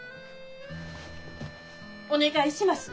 お願いします！